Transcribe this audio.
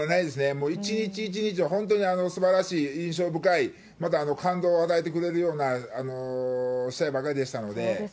もう一日一日が本当にすばらしい、印象深い、また感動を与えてくれるような試合ばかりでしたので。